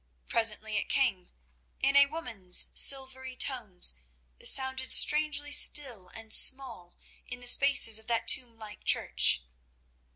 Presently it came, in a woman's silvery tones, that sounded strangely still and small in the spaces of that tomb like church.